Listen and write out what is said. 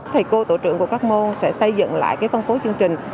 thầy cô tổ trưởng của các môn sẽ xây dựng lại phân phối chương trình